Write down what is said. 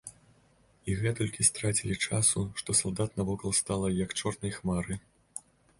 І гэтулькі страцілі часу, што салдат навокал стала, як чорнай хмары.